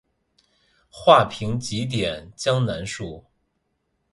画屏几点江南树。